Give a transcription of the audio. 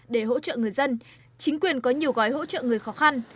để hỗ trợ người dân chính quyền có nhiều gói hỗ trợ người khó khăn